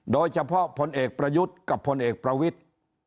โดยเฉพาะพลเอกประยุทธ์กับพลเอกประวิทธิ์